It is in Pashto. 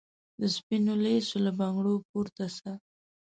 د سپینو لېڅو له بنګړو پورته سه